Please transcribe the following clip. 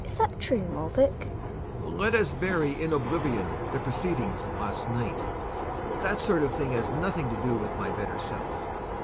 GiNA. Is that true, Molvik ? MoLviK. Let us bury in oblivion the proceedings of last night. That sort of thing has nothing to do with my better self.